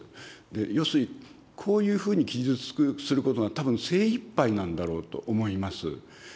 要するに、こういうふうに記述することが、たぶん精いっぱいなんだろうと思います。